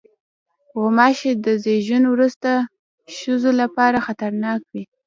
غوماشې د زیږون وروسته ښځو لپاره خطرناک وي.